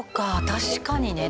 確かにね。